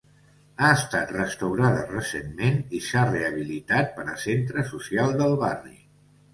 Ha estat restaurada recentment i s'ha rehabilitat per a Centre social del barri.